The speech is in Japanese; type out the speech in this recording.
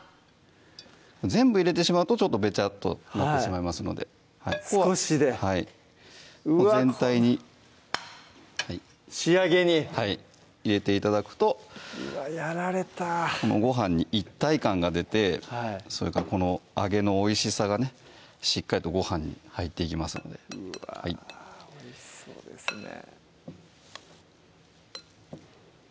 全部入れてしまうとちょっとベチャッとなってしまいますので少しでうわっもう全体に仕上げにはい入れて頂くとうわやられたこのご飯に一体感が出てそれからこの揚げのおいしさがねしっかりとご飯に入っていきますのでうわおいしそうですね